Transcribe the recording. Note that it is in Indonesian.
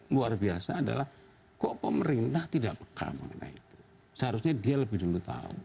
luar biasa adalah kok pemerintah tidak peka mengenai itu seharusnya dia lebih dulu tahu